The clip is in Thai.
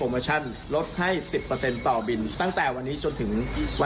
โอ้โฮนอกกอมากเลยค่ะ